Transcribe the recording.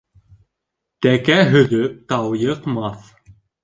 Тәкә һөҙөп тау йыҡмаҫ.